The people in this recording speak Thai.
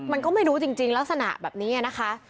มันก็ไม่รู้จริงลักษณะแบบนี้นะคะ